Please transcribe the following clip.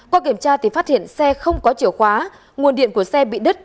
qua kiểm tra thì phát hiện xe không có chìa khóa nguồn điện của xe bị đứt